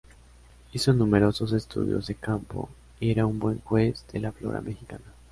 Hizo numerosos estudios de campo y era un buen juez de la flora mexicana.